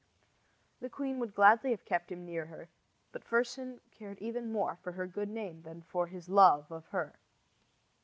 The queen would gladly have kept him near her; but Fersen cared even more for her good name than for his love of her.